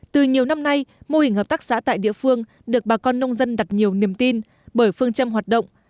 từ nhiều năm nay mô hình hợp tác xã tại địa phương được bà con nông dân đặt nhiều niềm tin bởi phương châm hoạt động